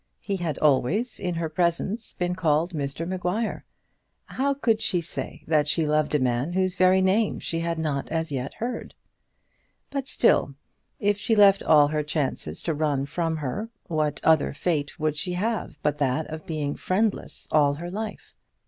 He had always in her presence been called Mr Maguire. How could she say that she loved a man whose very name she had not as yet heard? But still, if she left all her chances to run from her, what other fate would she have but that of being friendless all her life?